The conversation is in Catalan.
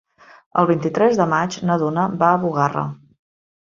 El vint-i-tres de maig na Duna va a Bugarra.